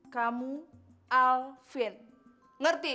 kamu alvin ngerti